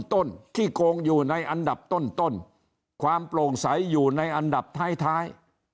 ต้นที่โกงอยู่ในอันดับต้นความโปร่งใสอยู่ในอันดับท้าย